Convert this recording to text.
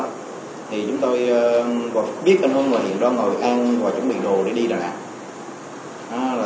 thì chúng tôi biết anh hưng là hiện đó ngồi ăn và chuẩn bị đồ để đi đà nẵng